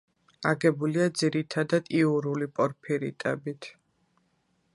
აგებულია ძირითადად იურული პორფირიტებით.